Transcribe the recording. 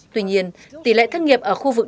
tuy nhiên tỷ lệ thất nghiệp ở khu vực